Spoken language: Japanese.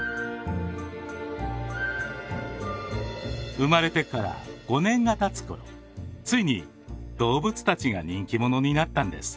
生まれてから５年がたつ頃ついに動物たちが人気者になったんです。